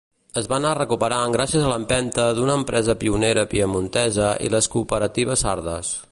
Es va anar recuperant gràcies a l'empenta d'una empresa pionera piemontesa i les cooperatives sardes.